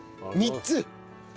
３つ！